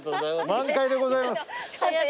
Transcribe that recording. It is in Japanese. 満開でございます。